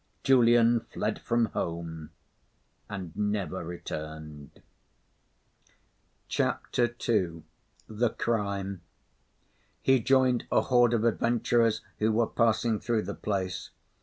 Julian fled from home and never returned. CHAPTER II THE CRIME He joined a horde of adventurers who were passing through the place.